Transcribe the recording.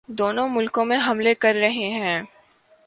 دونوں ملکوں میں حملے کررہے ہیں